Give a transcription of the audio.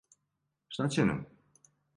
Шта ће нам?